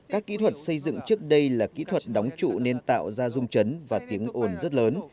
các kỹ thuật xây dựng trước đây là kỹ thuật đóng trụ nên tạo ra rung chấn và tiếng ồn rất lớn